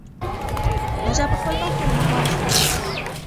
پاچا په خپل باغ کې د مرغانو ښکار کاوه.